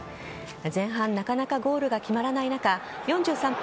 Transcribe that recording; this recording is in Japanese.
前半なかなかゴールが決まらない中４３分